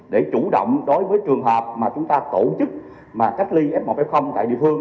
để chủ động đối với trường hợp mà chúng ta tổ chức mà cách ly f một f tại địa phương